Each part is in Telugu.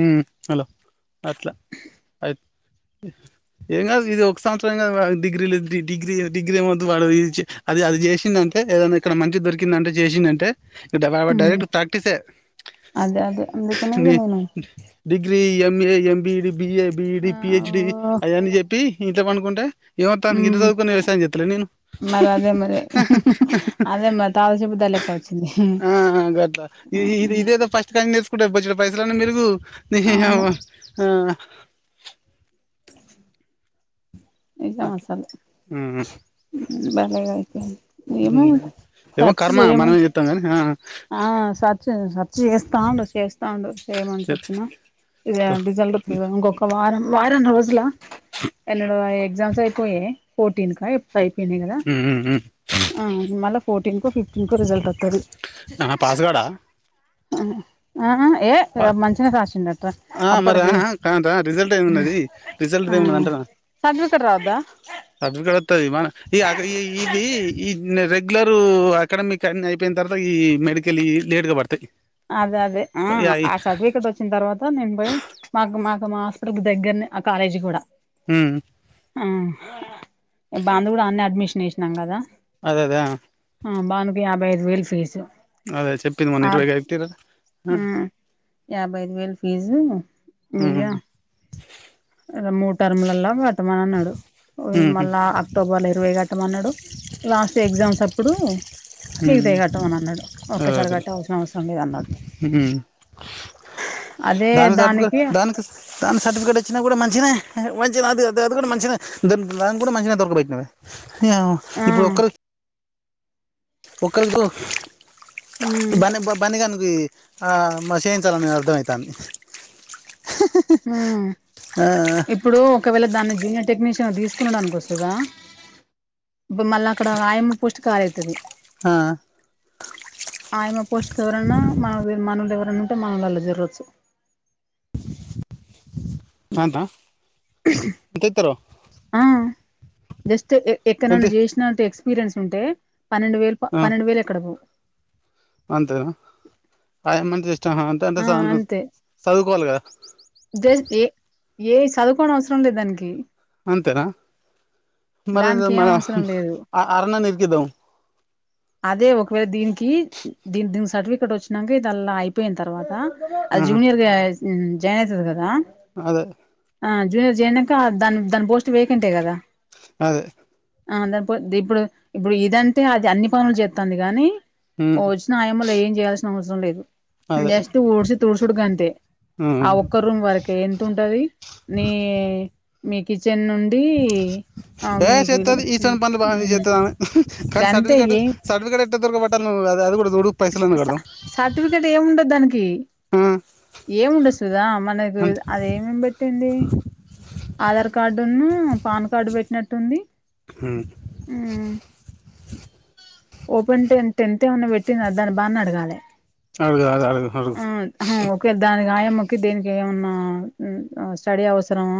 ఉ హలో అట్లా ఆయి ఏం కాదు ఇది ఒక సంవత్సరం డిగ్రీ లేదు డిగ్రీ డిగ్రీ ఏమద్దు వాడు అది అది చేసిండటే తే ఏదన్నా ఏక్కడన్న మంచిది దరికిందంటే చేసిందంటే డమ ఉమ్ డైరక్ట్ ప్రాక్టిసే అదే అదే అందుకనే ఇగ నీ నేను డిగ్రీ ఎంఏ ఎంబిఈడి బిఏ బిఈడి ఆ పిహెచ్డి ఓ అవన్నీ చెప్పి ఇంట్ల పండుకుంటా ఏవోతంది గింత ఉమ్ సదుకున్న వ్యవసాయం చెత్తలేనా నేను మరి అదే మరి అదే మరి తాగుచిబుద్ద లెక్క వచ్చింది ఆ గట్ల ఇదేదో ఫస్ట్ కాంచీ నేర్సుకుంటే బొచ్చేడు పైస్ లన్ని మిలుగు నిహి అవ్వ అవును నిజం అట్లా అసలు ఉమ్ బాలెగాయిపేయింది ఏమో ఏమో సర్చ్ కర్మ చేయమ మనం ఏం చెత్తంగని ఆ సచ్ సర్చ్ చేస్తా ఉండు చేస్ తా ఉండు చేయమని చెప్పిన ఇది డిగల్డ్ ఇంకొక వారం వారం రోజుల ఎన్నడో ఎగ్జామ్స్ అయిపోయే ఫోర్టీన్ కా ఎప్పుడై ఉహు అవున్ మల్లా ఫోర్టీన్ కో ఫిఫ్టీన్ కు రిజల్ట్ ఒత్తది నా పాసుగాడా ఆహ్ ఆహా బా ఆ మరి అప్పటికి ఆహా కాద్ రిజల్ట్ ఏమిన్నది రిజల్ట్ది ఆ ఏమున్నది అంటానా సర్టిఫికెట్ రావద్దా నా బిడ్డాది ఒత్తది మ అక్ ఈ ఈ ఇవి ఇ రెగ్యులరు అకాడమిక్ అన్ని అయిపోయినక తర్వాత ఈ మెడికల్యి లేట్గా పడతాయి అదే అదే ఆ యా ఈ ఆ సర్టిఫికెట్ వచ్చిన తర్వాత నేను బోయి మాకు మాకు మా మాస్టర్ కు దగ్గరనే ఆ కాలేజీ కూడా ఉమ్ ఆహ్ బాందు కూడా అడ్నే అడ్మిషన్ ఏసినాం కదా అదేదా ఆ బానుకు యాభై ఐదు వేలు ఫీజు అదే చెప్పింది మొన్న ఇరవయివేల్ ఆ యాభై ఐదు వేలు ఫీజు ఉమ్ మీయ ఇక మూడు టర్ములలో పెట్టమన్నడు ఉమ్ మళ్ళా అక్టోబర్ లో ఇరవై గట్ట మన్నాడు లాస్ట్ ఎగ్జామ్స్ అప్పుడు ఉమ్ మీగతాయిగట్టమని అన్నాడు ఒకేసారి కట్టాల్సిన అవసరం లేదు అన్నాడు హు మ్ దానికి సర్టిఫికేట్ దానికి దాని సర్టిఫికేట్ వచ్చినా కూడా మంచిదే మంచిగా అది అది అది కూడా మంచిదే దాని కూడా మంచిగా దొరికే బెట్టిన వే ఏమో ఆ ఇప్పుడు ఒకరు ఒకకాళకు ఉమ్ బ బనిగ [unintelligible] ఆ మరి చేయించాలి అని అర్థం అవుతుంది ఆ ఇప్పుడు ఒకవేళ దాన్ని జూనియర్ టెక్నీషియన్ తీసుకునడనుకో సుధ ఇప్పుడు మళ్ళ అక్కడ ఆయమ్మ ప్రొస్ట్ ఖాళీ అయితది ఆ ఆయమ్మ పోస్ట్ కి ఎవరన్నా మనకి మనోళ్ళ ఎవ నా ఉంటే మనోలలో జరోచ్చు సాంతా ఆ జస్ట్ ఎంత ఎక్కడన్న చేసినా ఎక్స్ ఎక్స్పిరియన్స్ ఉంటే పన్నెండు వేలు పన్నెండు వేలు కి అడుగు అంతే నా ఆయమ్మ ని అంతే అంటే ఆ స అంతే చదువుకోవాలి కద జస్ట్ ఏ ఏ చదువుకోవడం అవసరం లేదు దానికి అంతేనా మరి అయితే దానికి ఏం మరి అవసరం లేదు అరుణా ని ఇరికిద్ధం అదే ఒకవేళ దీనికి దీని దీనికి సర్టిఫికేట్ వచ్చినాక ఇదిల్లా అయిపోయిన తర్వాత ఆ, అది జూనియర్ గా జాయిన్ అయితది కదా అదే ఆ జూనియర్ చేరి నాక దాని దాని పోస్ట్ వేకెంటే కదా అదే ఆ దాని ఇప్పుడు ఇప్పుడు ఇదంటే అది అన్ని పనులు చేస్తంది గానీ ఉమ్, వచ్చిన ఆయమ్మ లు ఏం చేయాల్సిన అవసరం లేదు అదే జేస్ట్ ఊడిసి తుడుసుడు కి అంతే ఆ ఉమ్. ఒక్క రూమ్ వరకే ఎంత ఉంటది నీ మీ కిచెన్ నుండి ఆ ఏ మీకు శేత్తది ఈసంటి పనులు బానే చేస్తుది ఆమె గంతే కానీే ట్ ఏం సర్టిఫేట్ దొరకబా ను అది కూడా [unintelligible] కడదాం సర్టిఫికెట్ ఏమి ఉండదు దానికి ఆ, ఏముండదు సుధా మనకు అంతే అది ఏమేం పెట్టింది ఆధార్ కార్డును పాన్ కార్డు పెట్టినట్టు ఉంది ఉమ్ ఓపెన్ టెన్ టెన్త్ ఏమన్నా పెట్టిందా దాని బానే అడగాలి అడుగు అడుగు, అడుగు అడుగు ఆ ఓకే దాని అయామ్మకి దీనికి ఏమన్నా స్టడీ అవసరమా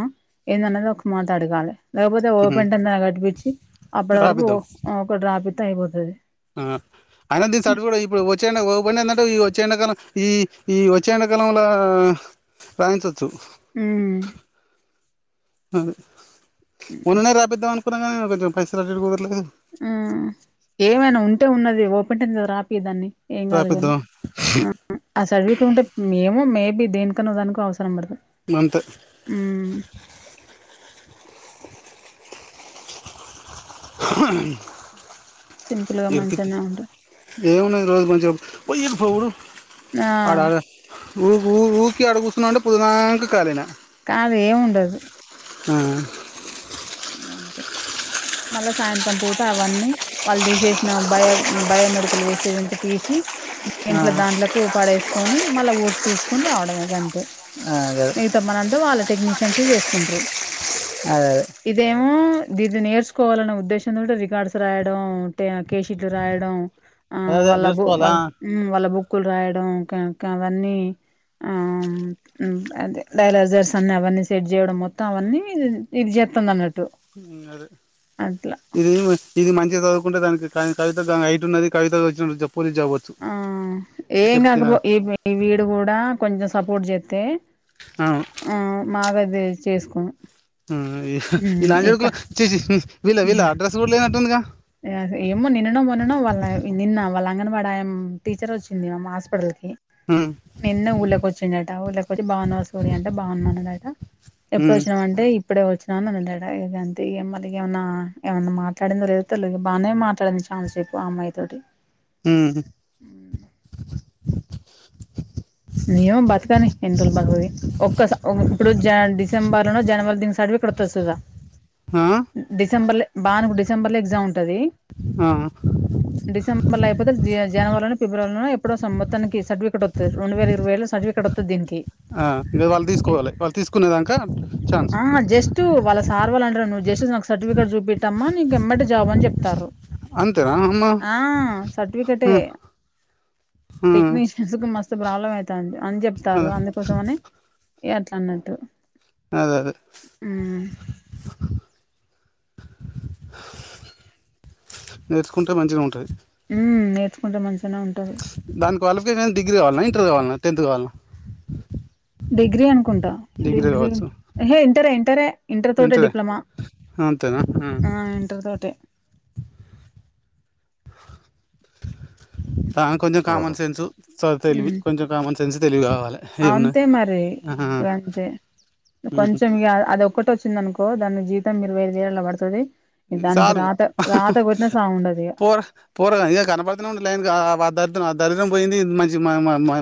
ఏందన్నది ఒక మాట అడగాలి లేకపోతే ఉమ్, ఓపెన్ టెన్త్ అన్న కటిపిచి అప్పటి వరకు రాపిద్దాం ఒక డ్రాప్ ఇతే అయిపోతది ఆ అయినా దీని సట్ కూడా ఇప్పుడు వచ్చే [unintelligible] అంటే ఈ వచ్చే ఎండాకాలం ఈ ఈ వచ్చే ఎండాకాలంంలో రాయించచ్చు ఉమ్ అ మొన్ననే రాపిద్దాం అనుకున్నా కానీ కొంచెం పైసలు అటు ఇటు కుదరలేదు ఆ ఏమైనా ఉంటే ఉన్నది ఓపెన్ టేన్త్ రాపియి దాన్ని ఏం కాదు కాని రాపిద్దాం ఆ ఆ సర్టిఫికెట్ ఉంటే ఏమో మే బి దేనికన్న దానికి అవసరం పడతది మంతే సింపుల్ గా మంచిగానే ఉంటది ఏం ఉన్నాయి ఈరోజ మంచి గా వైయి ఇరు ఫౌరు [unintelligible] ఆ ఊఊ ఊకి అడుగుస్తున్నా అంటే పుద్నాక కాలేనా కాదు ఏముండదు ఆ తే మళ్ళా సాయంత్రం పూట అవన్నీ వాళ్ళు తీసేసిన బయో బయోమెడికల్ వేస్టేజ్ తీసి ఆ ఇంట్లో దాంట్లకు పడేసుకొని మళ్ళీ ఊడ్చ తూడుచుకొని రావడమేక అంతే ఆ అదే మిగతా మనంతా వాళ్ళ టెక్నీషియన్స్ చేసుకుంటరు అదే అదే ఇదేమో దీది నేర్చుకోవాలనే ఉద్దేశంతో రికార్డ్స్ రాయడంటే కేషీట్లు రాయడం ఆ అదే వాళ్ళ బు నేర్చుకోవాలా వాళ్ళ వాళ్ళ బుక్కులు రాయడం క అవన్నీ ఆ డైలాజర్స్ అన్ని అవన్నీ సెట్ చేయడం మొత్తం అవన్నీ ఇది చే అదే అట్లా ఇది ఇది మంచిగా చదుకుంటే తననికి కానీ కవిత దాన హైటు ఉన్నది కవిత పోలీస్ జాబ్ వచ్చు ఆ ఏం చెప్తున్నా కాకపో ఈ ఈ వీడు కూడా కొంచెం సపోర్ట్ చేస్తే అవును ఆ మాగాది చేసుకోను ఈ హ్మ్ ఇప్ప నాజడుకులో చేసి వీళ్ళ వీళ్ళ అడ్రస్ కూడా లేనట్టుందిగా అంగనవాడ టీచర్ వచ్చింది మా హాస్పిటల్ కి హ్మ్ నిన్న ఊళ్ళక వచ్చిడట ఊళ్ళక వచ్చి బాన్నా సూర్య అంటే బాగున్నానుదట ఎప్పుడు ఉమ్ వచ్చినా అంటే ఇప్పుడే వచ్చి నేడా ఇది అంతే మళ్ళ ఏమన్నా ఏమన్నా మాట్లాడిందో లే తెలు బానే మాట్లాడింది ఛాన్సపు ఆ అమ్మాయి తోటి ఉమ్ ఏమో బతకని ఎన్ని రోులు బతకదు ఒక్కస ఇప్పుడు జ డిసెంబర్ లో జనవరినికి స్టార్ట్ డుస్తు ఆ డిసెంబర్ బాగాకు డిసెంబర్ లో ఎగ్జామ్ ఉంటంది ఆ డిసెంబర్ అయిపోతే జ జనవరిలో ఫిబ్రవరిలోన [unintelligible] సర్టికేట్ వస్తుంది రెడు వే ఇరవై ఏలో సర్ఫికేట్స్తుంది దీనికి ఆ ఇక వాళ్ళు తీసుకోవాలి వాళ్ళు తీసుకునేదాక ఛాన్స్ ఆ జస్ట్ వాళ్ళ సార్వళంట నువ్వు చేసేసి నాకు సర్టిఫికేట్ చూపట్టమ్మా నీకు ఎంమడిటి జాబ్ అని చెప్తారు అంతేనా అమ్మ ఆ సర్టిఫికెట్‌ ఉమ్ ఉమ్ టెక్నిషియన్స్ మస్త ప్రాబ్లం అవుతుంది అని చెప్తారు అదే అందుకోసం అని అట్లా అన్నట్టు అదే అదే మ్మ్ నేర్చుకుంటే మంచిగా ఉంటుంది ఉ నేర్చుకుంటే మంచిగానే ఉంటంది ఓకే నేను డిగ్రీ కావాలన్నా ఇంటర్ కావాల టెంత్ కావాలన్నా డిగ్రీ అనుకుంటా డిగ్రీ హే ఇంటర్ ఇంటరే ఇంటర్ తోట డిప్లొమా అ ఆ ఇంటర్ తోటే దనీ కొంచెం కామన్ సెన్స్ చ తెలివి మ్మ్ కొంచెం కామన్ సెన్స్ తెలివి కావాలి అంతే మరి ఇంతే ఉహు. కొంచెం అదొ ఒక్కటి వచ్చింది అనుకో దాని జీతం ఇరవై ఐదు వేళ్లో పడుతుంది దానికి రాత రాత కొట్న సాగు ఉండదు ఇగ పోరా పో [unintelligible] దరిద్రం పోయింది మంచి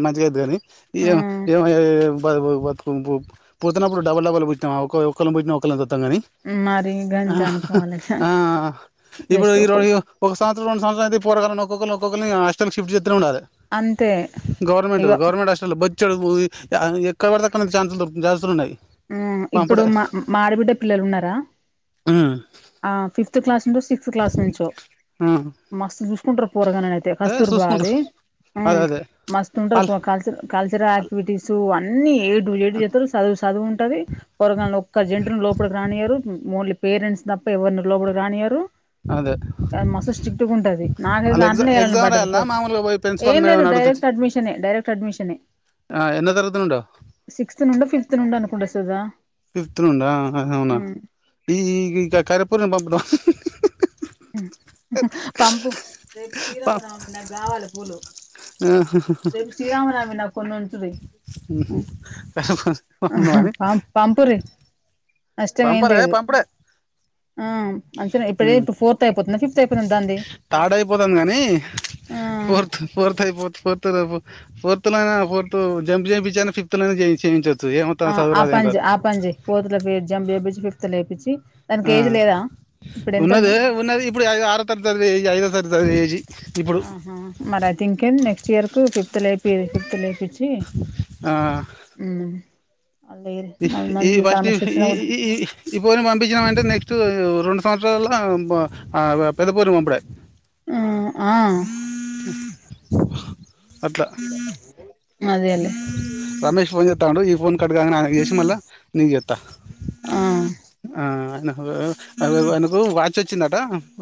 మంచిగా అంది కానీ ఏ మ్మ్ ఏ [unintelligible] పోతున్నప్పుడు [unintelligible] డబ్బు పుచ్చాం [unintelligible] మరి గంతే [unintelligible] అనుకోవాలిగా ఆ ఇప్పుడు జస్ట్ ఈ ఒక ర ఒక సంవత్సరం రెండు సంవత్సరం అయితే పోరగాలలను ఒక్కొక్క ఒక్కొక్కరిని హాస్టల్కి షిఫ్ చేస్తనే ఉండాలి అంతే గవర్నమెంట్ ఇగో గవర్నమెంట్ హాస్టల్ బ చెడు ఎక్కడ పడతేక్క ఛాన్స్లు జాన్స్లున్నాయి ఇప్పుడు మా మా ఆడబిడ్డ పిల్లలు ఉన్నారా ఆ ఫిఫ్త్ క్లాస్ సిక్స్త్ క్లాస్ నుంచో మస్తు చూసుకుంటారు పోరగాళ్లన అయితే ఏ కస్తూర్ బాయ్ చూసుకుంటారు అది అదే హ్మ్ అదే మస్తు అల్ ఉంటారుపో కల్చ కల్చరల్ ఆయాక్టివిటీసు అన్ని ఏటు జెడ్ చేతారు చదువు చదువు ఉంటంది పొరగాళ్ల ఒక్క జంటుని లోపలికి రానియారు మఓన్లీ పేరెంట్స్ ని తప్ప ఎవరిని లోపల రానియారు అదే మస్త్ స్టిక్టుగా ఉంటది నాకైతే వాళ్ళ దాంట్లో ఎగ్జామ్ వేయాలి అని ఎగ్జామ్ పడ్డది పో రాయాలనా మామూలుగా పోయి ప్రిన్సిపాల్ ఏం లేదు మేడంని డైరెక్ట్ అడ్మిషన్ ఎ డైరక్ట్ అడ్మిషన్ ఎ ఆ ఎన్నో తరగతినుండో [unintelligible] అనుకుంట వస్తదా ఫిఫ్త్ నుండా అవునా ఈ కరపూరని పంపుదాం పంపు రేపు శ్రీరామ నవమి నాకు కొన్ను హ్మ్ హు ఆహ పంపురి పంపరే పంపడే ఆ మంచినే ఇప్పుడే హ్మ్ ఇప్పుడు ఫోర్త్ అయిపోతుందా ఫిఫ్త్ అయిపోతుందా దాంది పాడైపోతాంది గాని ఫోర్త్ ఆ ఫోర్త్ అయిపోతు ఫోర్త్ [unintelligible] ఫోర్త్ నయినా ఫోర్త్ జంప్ చేపించయినా ఫిఫ్త్ లో చేయి చేయించ ఆ ఆ పన్ చెయ్ ఆ పన్ ఫోర్త్ లో ఫిఫ్త్ జంప్ చేపించి ఫిఫ్త్ లో లేపించి ఆ ఉన్నది ఉంది ఉన్నది ఇప్పుడు ఐ ఆరో తరగతి ఐదో తరగతి చదివేది ఆహా మరి అయితేఇంకేం నెక్స్ట్ ఇయర్ కు ఫిఫ్త్ లో ఎపిరి ఫిఫ్త్ లో ఎపిచి ఆ హ్మ్ ఈ ఫస్ట్ ఈ కూడా ఈ ఈ ఈ పోరోని పంపించినమ అంటే నెక్స్ట్ రెండు [unintelligible] పెద్ద పోరు పంపుడే ఆ ఆ అట్లా అదేలే రమేష్ ఫోన్ చేతాండు ఇఫ్ కట్ గాకనే ఆయన కి చేసి మళ్ళా నీకు చేతా ఆ ఆ అవ్ అవ్ ఆయనకు వాచ్ వచ్చిందట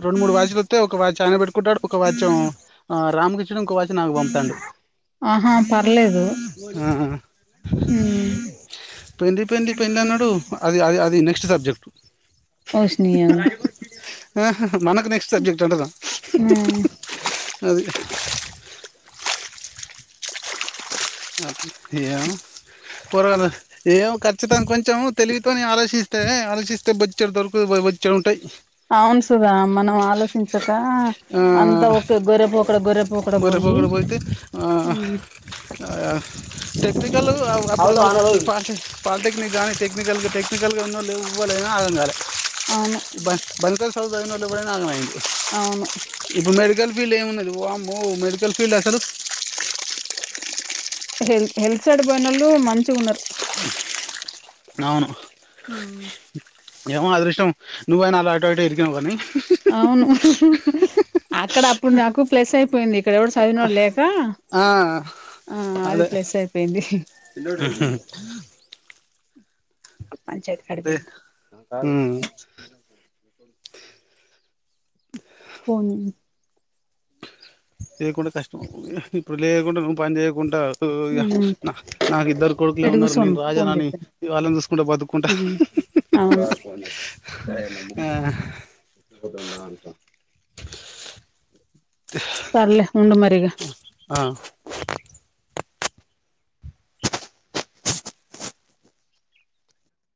రెండు మూడు వాచ్లు వతే ఒక వాచ్ ఆయన పెట్టుకుంటాడు ఒక వాచ్ ఏమో రామకృష్ణడు ఇంకో వాచ్ నాకు పంపుతాండు ఆహా పర్లేదు ఆ హ్మ్ పెండ్లి పెండ్లి పెళ్ళ అన్నాడు అది అది అది నెక్స్ట్ సబ్జెక్టు ఓసిని య మనకి నెస్ట్ సబ్జెక్టు అంటున్నా ఆ అది ఏమో పోరగాళ్లు ఏమో క ఖచ్చితంగా కొంచం తెలివితో ఆలోచిస్తే ఆలోచిస్తే బొచ్చడు దొరుకు బొచ్చడు ఉంటాయి అవును సుధా మనం ఆలోచించ తా అంతా ఆ ఒక గొరెపోకడ గొరెపోకడ పోయి గొర్రెపోకడ ఆయ టెక్నికల్ అప్పుడు పాలి పాలిటెక్నిక్ [unintelligible] టెక్నికల్గా టెక్నికల్గా ఉన్నా లేవు ఇ పోలేనా [unintelligible] ఆగం కాల అవును దా దల్కోస్ సదువు సదివిన వాళ్ళు ఎవరన్నా అగం అవును ఫీల్డ్ ఏమిన్నది వామ్మో మెడికల్ ఫీల్డ్ అసలు హెల్త్ హెల్త్ సడ్ పోయినోళ్ళు మంచిగ ఉన్నారు అవును ఉమ్ ఏమో అదృష్టం నువ్వు అయినా అటో ఇటో ఇరికినవ్ గా నీ అవును అక్కడ అప్పుడు నాకు ప్లస్ అయిపోయింది ఇక్కడ ఎవడు చదివినోడు లేక ఆ, ఆ అది అదే ఫ్లెస్ అయిపోయింది పంచాయత్ కాడికి అదే ఉమ్, ఫోను లేయకుండా నువ్వు పని చేయకుంటా ఊ ఇగ ఉమ్ న నాకు ఇద్దరు కొడుకులే ఈడ ఉన్నారు, నేను కూసోని ఫోన్ రాజానని చేత్తాను ఇ వాళ్ళని చూసుకుంట బతుకుంట. ఉమ్ అవును ఆ సర్లే ఉండ మరి ఇగ ఆ